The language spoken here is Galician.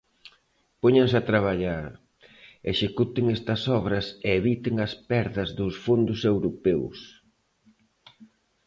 Póñanse a traballar, executen estas obras e eviten as perdas dos fondos europeos.